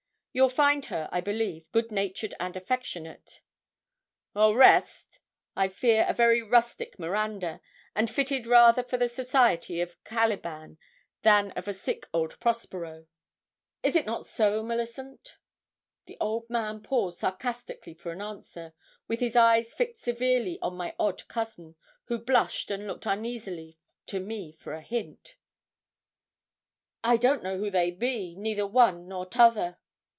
You'll find her, I believe, good natured and affectionate; au reste, I fear a very rustic Miranda, and fitted rather for the society of Caliban than of a sick old Prospero. Is it not so, Millicent?' The old man paused sarcastically for an answer, with his eyes fixed severely on my odd cousin, who blushed and looked uneasily to me for a hint. 'I don't know who they be neither one nor t'other.'